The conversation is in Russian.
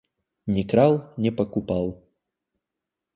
Не крал, не покупал.